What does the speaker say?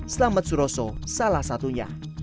selamat suroso salah satunya